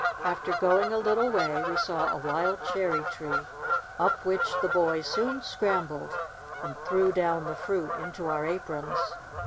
After going a little way we saw a wild cherry tree, up which the boys soon scrambled, and threw down the fruit into our aprons.